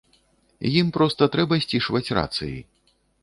Ім проста трэба сцішваць рацыі.